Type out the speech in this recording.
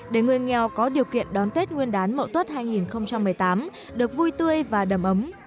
để người nghèo có điều kiện đón tết nguyên đán mậu tuất hai nghìn một mươi tám được vui tươi và đầm ấm